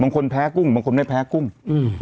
แพ้กุ้งบางคนไม่แพ้กุ้งอืม